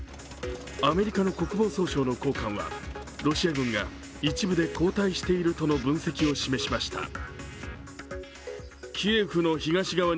アメリカの国防総省の高官はロシア軍が一部で後退しているとの分析を示しました。